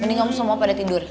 mending kamu semua pada tidur